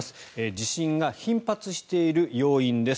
地震が頻発している要因です。